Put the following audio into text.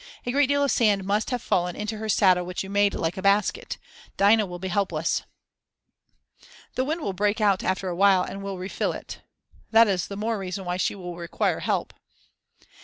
A great deal of sand must have fallen into her saddle which you made like a basket. Dinah will be helpless." "The wind will break out after a while and will refill it." "That is the more reason why she will require help."